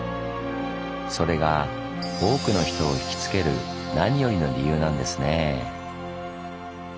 それが多くの人を引きつける何よりの理由なんですねぇ。